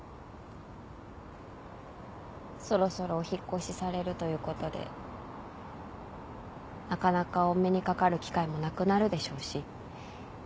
そろそろお引っ越しされるということでなかなかお目にかかる機会もなくなるでしょうし。